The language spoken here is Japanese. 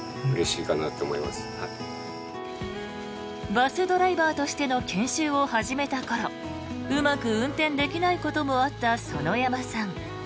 バスドライバーとしての研修を始めた頃うまく運転できないこともあった園山さん。